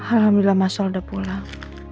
alhamdulillah mas yolda pulang